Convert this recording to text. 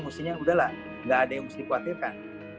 mestinya udahlah nggak ada yang mesti dikhawatirkan